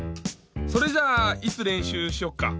それじゃいつれんしゅうしよっか。